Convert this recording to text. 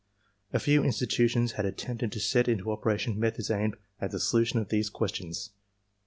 A few institutions had attempted to set into operation methods aimed at the solution of these questions.